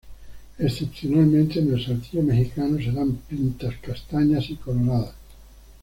Excepcionalmente, en el saltillo mexicano, se dan pintas castañas y coloradas.